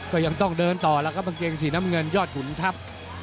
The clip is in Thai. ก็ยังต้องเดินต่อแล้วครับกางเกงสีน้ำเงินยอดขุนทัพ